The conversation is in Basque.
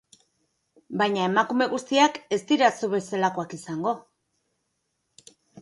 Baina emakume guztiak ez dira zu bezalakoak izango...